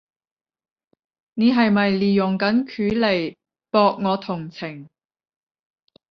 你係咪利用緊佢嚟博我同情？